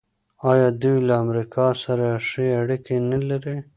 آیا دوی له امریکا سره ښې اړیکې نلري؟